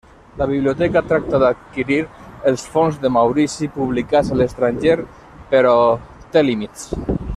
La Biblioteca tracta d'adquirir els fons de Maurici publicats a l'estranger, però té límits.